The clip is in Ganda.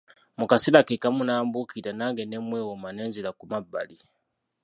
Mu kaseera ke kamu n'ambuukira, nange ne mwewoma ne nzira ku mabbali.